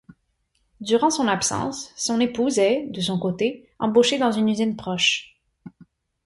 Durant son absence, son épouse est, de son côté embauchée dans une usine proche.